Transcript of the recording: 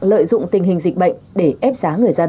lợi dụng tình hình dịch bệnh để ép giá người dân